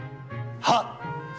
はっ。